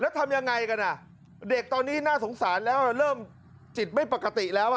แล้วทำยังไงกันอ่ะเด็กตอนนี้น่าสงสารแล้วเริ่มจิตไม่ปกติแล้วอ่ะ